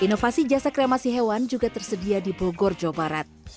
inovasi jasa kremasi hewan juga tersedia di bogor jawa barat